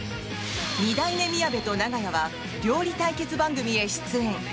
二代目みやべと長屋は料理対決番組へ出演！